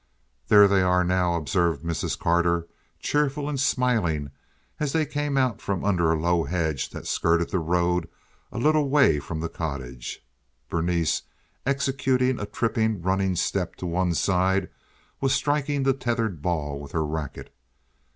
"There they are now," observed Mrs. Carter, cheerful and smiling, as they came out from under a low ledge that skirted the road a little way from the cottage. Berenice, executing a tripping, running step to one side, was striking the tethered ball with her racquet.